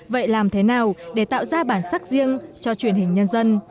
vậy làm thế nào để tạo ra bản sắc riêng cho truyền hình nhân dân